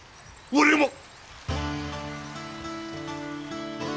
俺も。